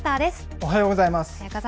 おはようございます。